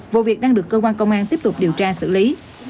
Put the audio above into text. vụ việc đang được cơ quan công an tiếp tục điều tra xử lý